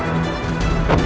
jurus braja dewa